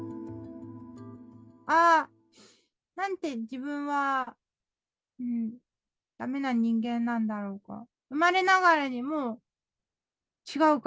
あー、なんて自分はだめな人間なんだろうか。